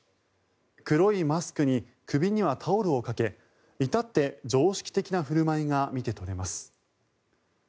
黒いマスクに首にはタオルをかけ至って常識的な振る舞いが見て取れます。